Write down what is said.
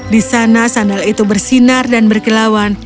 di sana sandal itu bersinar dan berkilauan